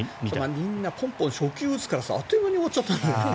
みんな、ポンポン初球を打つからあっという間に終わっちゃったよ。